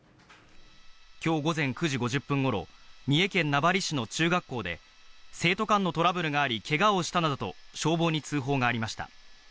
きょう午前９時５０分ごろ、三重県名張市の中学校で、生徒間のトラブルがありけがをしたなどと、消防に通報がありました。